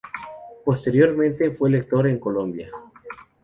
Posteriormente, fue lector en Colombia.